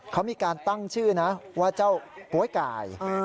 เขามีการตั้งชื่อนะว่าเจ้าโป๊ยไก่